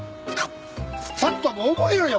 ちょっともう覚えろよ！